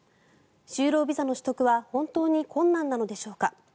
就労ビザの取得は本当に困難なのでしょうか。